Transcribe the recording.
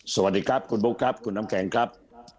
สวัสดีครับคุณบุ๊คครับคุณน้ำแข็งครับ